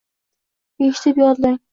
Eshitib yodlang.